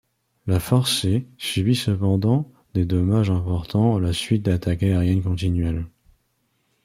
La Force C subit cependant des dommages importants à la suite d'attaques aériennes continuelles.